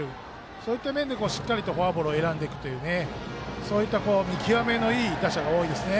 そういった面でしっかりとフォアボールを選んでいくというそういった見極めのいい打者が多いですね。